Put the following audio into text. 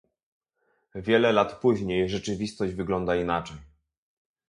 Wiele lat później rzeczywistość wygląda inaczej